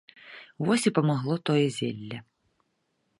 Вось і памагло тое зелле!